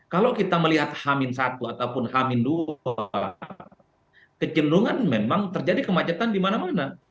kalau kita melihat hamin i ataupun hamin ii kecenderungan memang terjadi kemancetan di mana mana